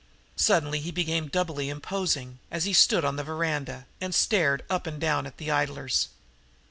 Suddenly he became doubly imposing, as he stood on the veranda and stared up and down at the idlers.